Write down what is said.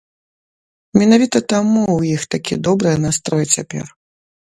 Менавіта таму ў іх такі добры настрой цяпер.